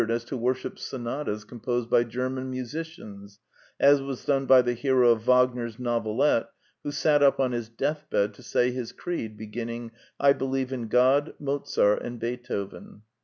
The Two Pioneers, 1 1 as to worship sonatas composed by German musicians, as was done by the hero of Wagner's novelette, who sat up on his deathbed to say his creed, beginning, '^ I believe in God, Mozart, and Beethoven."